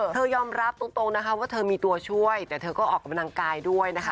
เธอยอมรับตรงนะคะว่าเธอมีตัวช่วยแต่เธอก็ออกกำลังกายด้วยนะคะ